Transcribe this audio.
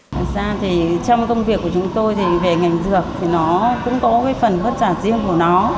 thật ra thì trong công việc của chúng tôi thì về ngành dược thì nó cũng có cái phần vất vả riêng của nó